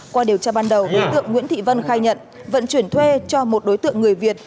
qua điều tra ban đầu đối tượng nguyễn thị vân khai nhận vận chuyển thuê cho một đối tượng người việt